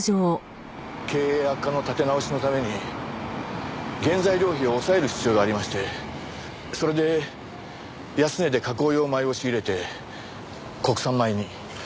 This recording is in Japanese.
経営悪化の立て直しのために原材料費を抑える必要がありましてそれで安値で加工用米を仕入れて国産米に。